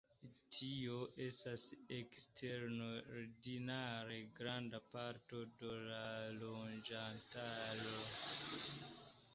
Tio estas eksterordinare granda parto de la loĝantaro.